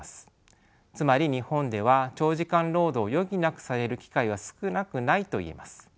つまり日本では長時間労働を余儀なくされる機会は少なくないと言えます。